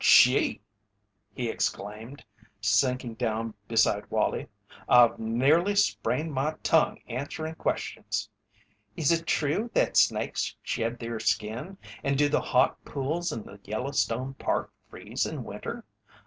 "Gee!" he exclaimed, sinking down beside Wallie, "I've nearly sprained my tongue answerin' questions. 'Is it true that snakes shed their skin, and do the hot pools in the Yellowstone Park freeze in winter?'